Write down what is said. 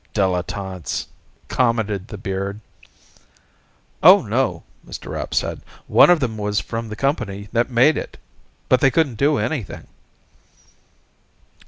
"Dilettantes," commented the beard. "Oh, no," Mr. Rapp said. "One of them was from the company that made it. But they couldn't do anything."